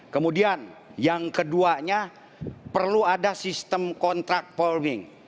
kemudian yang keduanya perlu ada sistem kontrak polming